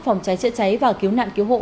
phòng cháy chữa cháy và cứu nạn cứu hộ